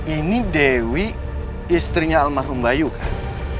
ini dewi istrinya almarhum bayu kan